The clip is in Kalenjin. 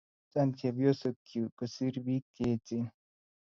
Chang chepyosok yuu kosiir biik cheechen